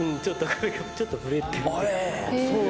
ちょっと。